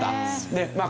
でまあ